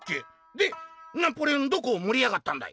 「でナポレオンどこを盛りやがったんだい？」。